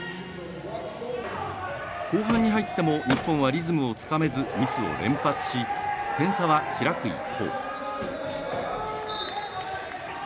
後半に入っても日本はリズムをつかめずミスを連発し点差は開く一方。